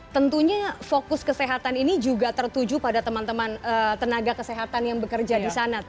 tentunya fokus kesehatan ini juga tertuju pada teman teman tenaga kesehatan yang bekerja di sana